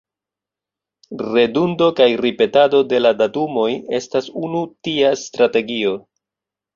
Redundo kaj ripetado de la datumoj estas unu tia strategio.